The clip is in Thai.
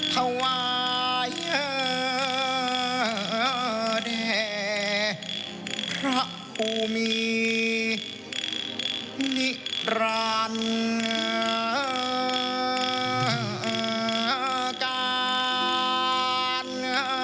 ทะวายเด่พระอุมีย์นิรันกาล